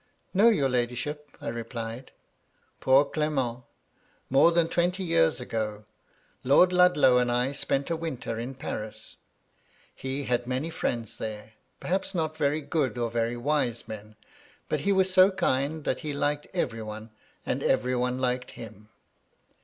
" No, your ladyship," I replied. " Poor Clement ! more than twenty years ago. Lord Ludlow and I spent a winter in Paris. He had many firiends there; perhaps not very good or very wise men, but he was so kind that he liked every one, and every one liked him.